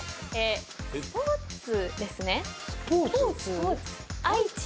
スポーツですね。